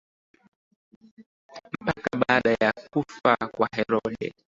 mpaka baada ya kufa kwa Herode